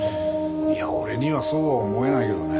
いや俺にはそうは思えないけどね。